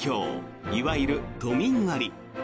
いわゆる都民割。